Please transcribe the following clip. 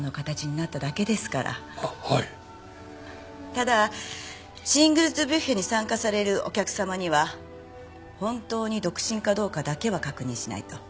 ただシングルズ・ビュッフェに参加されるお客様には本当に独身かどうかだけは確認しないと。